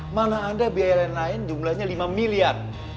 mana ada biaya lain lain jumlahnya lima miliar